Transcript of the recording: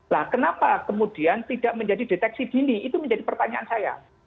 nah kenapa kemudian tidak menjadi deteksi dini itu menjadi pertanyaan saya